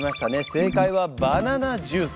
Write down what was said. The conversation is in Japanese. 正解はバナナジュース。